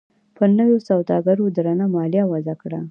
پر نویو سوداګرو درنه مالیه وضعه کړه.